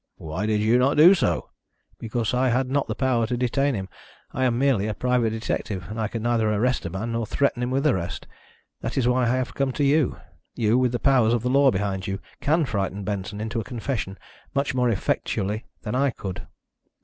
"Why did you not do so?" "Because I had not the power to detain him. I am merely a private detective, and can neither arrest a man nor threaten him with arrest. That is why I have come to you. You, with the powers of the law behind you, can frighten Benson into a confession much more effectually than I could."